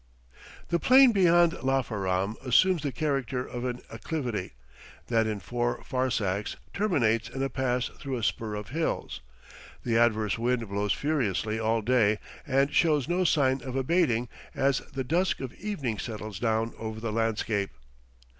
The plain beyond Lafaram assumes the character of an acclivity, that in four farsakhs terminates in a pass through a spur of hills. The adverse wind blows furiously all day and shows no signs of abating as the dusk of evening settles down over the landscape.